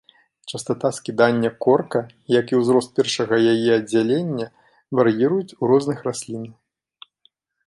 Частата скідання корка, як і ўзрост першага яе аддзялення, вар'іруюць у розных раслін.